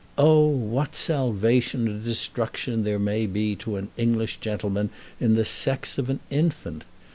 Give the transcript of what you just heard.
Oh, what salvation or destruction there may be to an English gentleman in the sex of an infant!